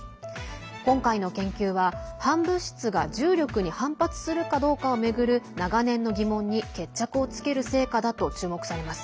今回の研究は、反物質が重力に反発するかどうかを巡る長年の疑問に決着をつける成果だと注目されます。